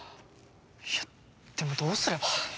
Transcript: いやでもどうすれば。